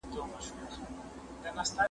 زه بايد بوټونه پاک کړم!